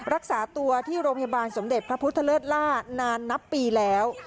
รักษาตัวที่โรงพยาบาลสมเด็จพระพุทธเลิศล่านานนับปีแล้ว